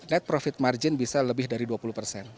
net profit margin bisa lebih dari dua puluh persen